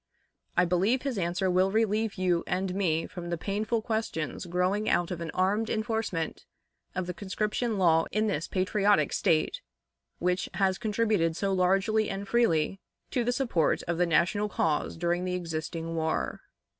I believe his answer will relieve you and me from the painful questions growing out of an armed enforcement of the conscription law in this patriotic State, which has contributed so largely and freely to the support of the national cause during the existing war."